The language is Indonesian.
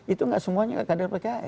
itu nggak semuanya kader pks